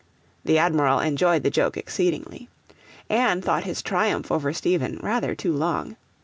The Admiral enjoyed the joke exceedingly. Anne thought his triumph over Stephen rather too long.